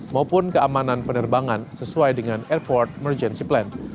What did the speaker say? maupun keamanan penerbangan sesuai dengan airport emergency plan